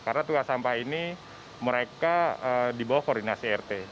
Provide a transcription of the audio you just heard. karena tua sampah ini mereka di bawah koordinasi rt